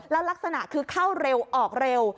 แล้วลักษณะคือเข้าเร็วออกเร็ว